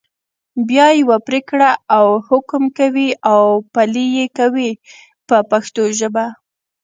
بیا یوه پرېکړه او حکم کوي او پلي یې کوي په پښتو ژبه.